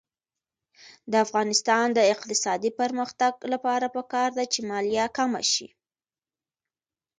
د افغانستان د اقتصادي پرمختګ لپاره پکار ده چې مالیه کمه شي.